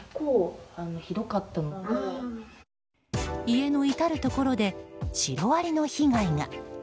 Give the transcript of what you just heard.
家の至るところでシロアリの被害が。